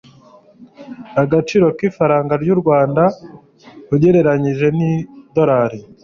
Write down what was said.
agaciro k'ifaranga ry'u Rwanda ugereranyije n'idolari